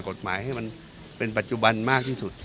กฎหมายให้มันเป็นปัจจุบันมากที่สุด